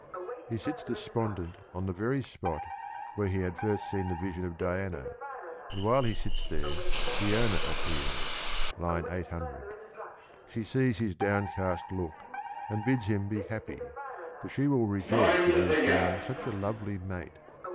He sits despon dent on the very spot where he had first seen the vision of Diana, and while he sits there Peona appears (800). She sees his downcast look, and bids him be happy, for she will rejoice that he has found such a lovely mate.